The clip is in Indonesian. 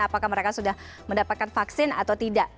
apakah mereka sudah mendapatkan vaksin atau tidak